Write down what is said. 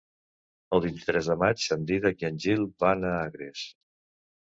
El vint-i-tres de maig en Dídac i en Gil van a Agres.